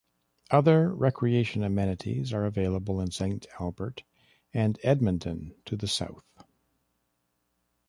Other recreation amenities are available in Saint Albert and Edmonton to the south.